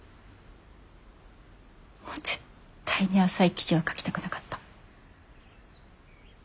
もう絶対に浅い記事は書きたくなかった。